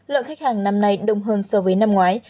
lượng khách hàng năm nay đông hơn so với năm ngoái